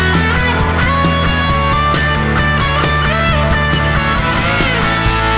โปรดติดตามตอนต่อไป